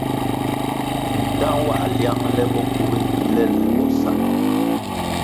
Ntah nwãh liang le bokuğéh kile le bo sa.